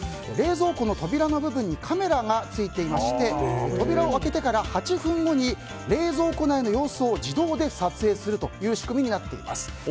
冷蔵庫の扉の部分にカメラがついていまして扉を開けてから８分後に冷蔵庫内の様子を自動で撮影するという仕組みになっています。